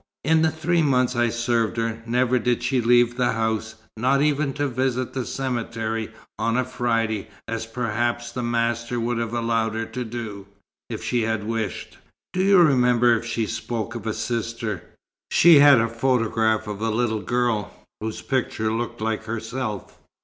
In the three months I served her, never did she leave the house, not even to visit the cemetery on a Friday, as perhaps the master would have allowed her to do, if she had wished." "Do you remember if she spoke of a sister?" "She had a photograph of a little girl, whose picture looked like herself.